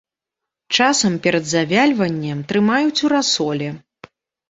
Часам перад завяльваннем трымаюць у расоле.